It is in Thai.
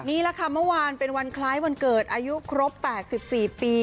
นี่แหละค่ะเมื่อวานเป็นวันคล้ายวันเกิดอายุครบ๘๔ปี